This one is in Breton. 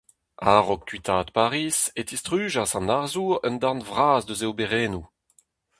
A-raok kuitaat Pariz e tistrujas an arzour un darn vras eus e oberennoù.